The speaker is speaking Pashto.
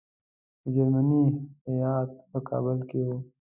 د جرمني هیات په کابل کې وو.